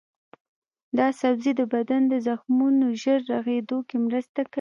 دا سبزی د بدن د زخمونو ژر رغیدو کې مرسته کوي.